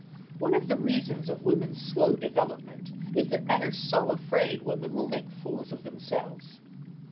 One of the reasons of women's slow development is that men are so afraid women will make fools of themselves.